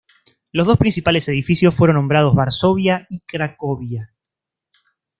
Los dos principales edificios fueron nombrados "Varsovia" y "Cracovia".